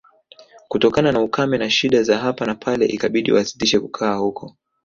Kutokana na ukame na shida za hapa na pale ikabidi wasitishe kukaa huko